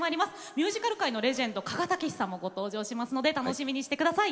ミュージカル界のレジェンド鹿賀丈史さんもご登場しますので楽しみにしてください。